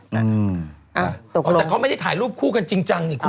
แต่เขาไม่ได้ถ่ายรูปคู่กันจริงจังนี่คุณ